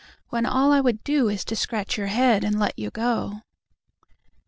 When all I would doIs to scratch your headAnd let you go.